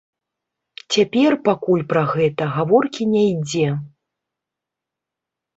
Цяпер пакуль пра гэта гаворкі не ідзе.